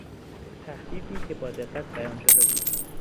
تهدیدی که با دقت بیان شده بود